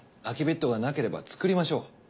空きベッドがなければ作りましょう。